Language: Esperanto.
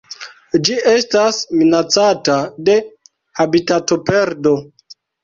Ĝi estas minacata de habitatoperdo.